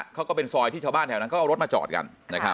ก็เป็นซอยที่ชาวบ้านแถวนั้นเขาเอารถมาจอดกัน